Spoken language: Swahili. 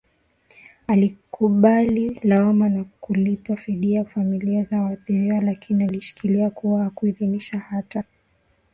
alikubali lawama na kulipa fidia kwa familia za waathiriwa lakini alishikilia kuwa hakuidhinisha hata